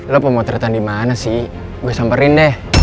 lo pemotretan dimana sih gua samperin deh